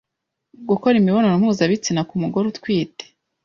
gukora imibonano mpuzabitsina ku mugore utwite.